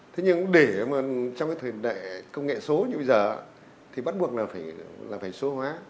thế nhưng để trong thời đại công nghệ số như bây giờ thì bắt buộc là phải số hóa